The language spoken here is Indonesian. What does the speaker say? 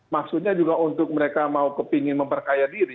maksudnya juga untuk mereka mau kepingin memperkaya diri